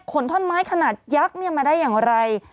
ท่อนไม้ขนาดยักษ์มาได้อย่างไร